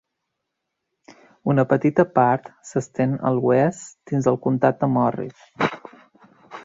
Una petita part s'estén a l'oest dins del comtat de Morris.